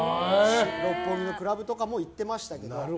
六本木のクラブとかも行ってましたけど。